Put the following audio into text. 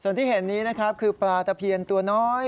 ส่วนที่เห็นนี้นะครับคือปลาตะเพียนตัวน้อย